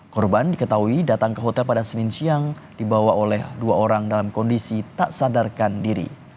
korban diketahui datang ke hotel pada senin siang dibawa oleh dua orang dalam kondisi tak sadarkan diri